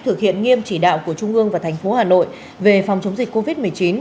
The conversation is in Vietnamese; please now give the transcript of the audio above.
thực hiện nghiêm chỉ đạo của trung ương và thành phố hà nội về phòng chống dịch covid một mươi chín